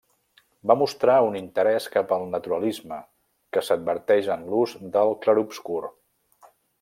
Va mostrar un interès cap al naturalisme que s'adverteix en l'ús del clarobscur.